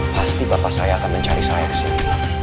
pasti bapak saya akan mencari saya kesini